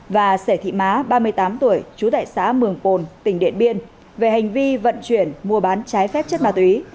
và sẻ thị má ba mươi tám tuổi trú tại xã mường pồn tỉnh điện biên về hành vi vận chuyển mua bán trái phép chất ma túy